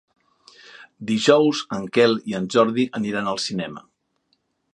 Dijous en Quel i en Jordi aniran al cinema.